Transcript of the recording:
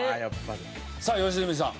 さあ良純さん。